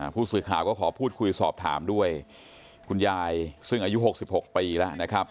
ผู้สื่อข่าวก็ขอพูดคุยสอบถามด้วยคุณยายซึ่งอายุ๖๖ปีแล้วนะครับ